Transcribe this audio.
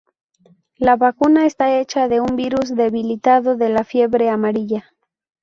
La vacuna está hecha de un virus debilitado de la fiebre amarilla.